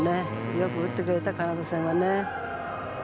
よく打ってくれた、カナダ戦は。